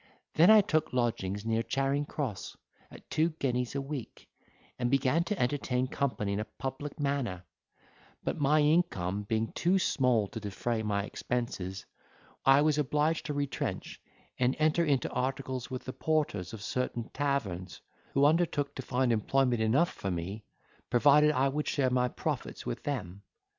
Then I took lodgings near Charing Cross, at two guineas a week, and began to entertain company in a public manner; but my income being too small to defray my expenses, I was obliged to retrench, and enter into articles with the porters of certain taverns, who undertook to find employment enough for me, provided I would share my profits with them.